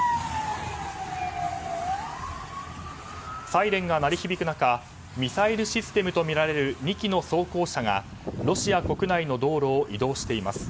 サイレンが鳴り響く中ミサイルシステムとみられる２基の装甲車がロシア国内の道路を移動しています。